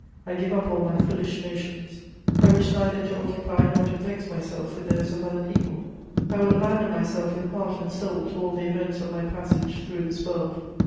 I give up all my foolish notions; I wish neither to occupy nor to vex myself with those of other people; I will abandon myself with heart and soul to all the events of my passage through this world.